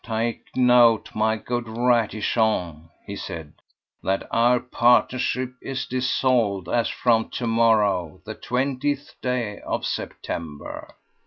"Take note, my good Ratichon," he said, "that our partnership is dissolved as from to morrow, the twentieth day of September."